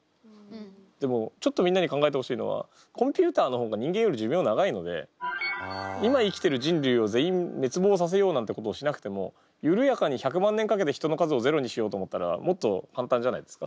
でもちょっとみんなに考えてほしいのはコンピューターの方が人間より寿命長いので今生きてる人類を全員滅亡させようなんてことをしなくても緩やかに１００万年かけて人の数をゼロにしようと思ったらもっと簡単じゃないですか。